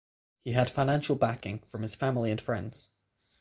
He had financial backing from his family and friends.